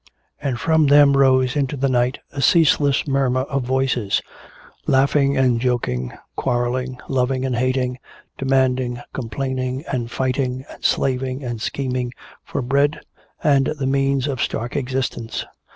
And from them rose into the night a ceaseless murmur of voices, laughing and joking, quarreling, loving and hating, demanding, complaining, and fighting and slaving and scheming for bread and the means of stark existence.